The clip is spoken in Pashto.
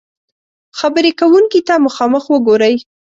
-خبرې کونکي ته مخامخ وګورئ